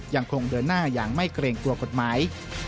ยังคงเดินหน้าอย่างไม่เกรงกลัวกฎหมาย